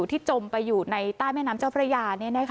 จมไปอยู่ในใต้แม่น้ำเจ้าพระยา